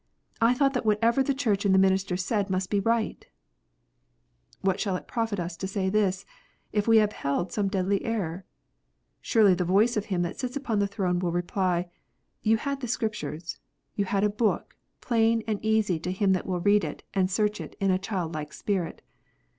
I thought that whatever the Church and the ministers said must be right "? What shall it profit us to say this, if we have held some deadly error 1 Surely, the voice of Him that sits upon the throne will reply, " You had the Scriptures. You had a book, plain and easy to him that will read it and search it in a child like spirit.